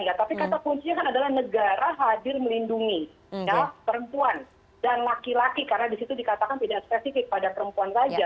ya tapi kata kuncinya kan adalah negara hadir melindungi perempuan dan laki laki karena disitu dikatakan tidak spesifik pada perempuan saja